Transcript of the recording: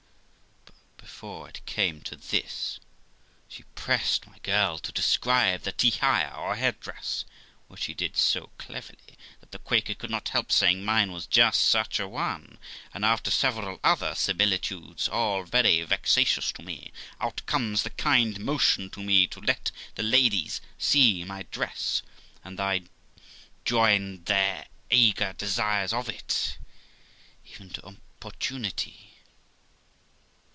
But before it came to this, she pressed my girl to describe the tyhaia, or head dress, which she did so cleverly that the Quaker could not help saying mine was just such a one; and, after several other similitudes, all very vexatious to me, out comes the kind motion to me to let the ladies see my dress ; and they joined their eager desires of it, even to importunity.